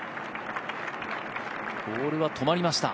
ボールは止まりました。